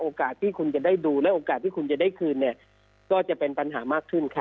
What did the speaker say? โอกาสที่คุณจะได้ดูและโอกาสที่คุณจะได้คืนเนี่ยก็จะเป็นปัญหามากขึ้นค่ะ